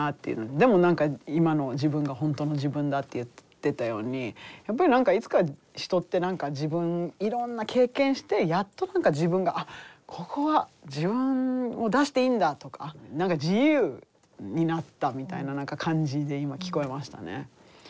でも何か今の自分が本当の自分だって言ってたようにやっぱり何かいつか人っていろんな経験してやっと何か自分が「あっここは自分を出していいんだ」とか何か自由になったみたいな感じで今聞こえましたね。